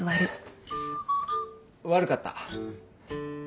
悪かった。